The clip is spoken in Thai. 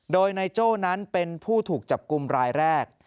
โดยนายโจ้นั้นเป็นผู้ถูกจับกลุ่มรายแรก